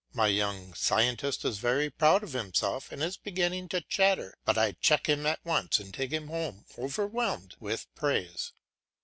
My young scientist is very proud of himself and is beginning to chatter, but I check him at once and take him home overwhelmed with praise.